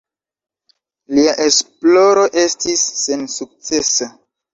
Lia esploro estis sensukcesa.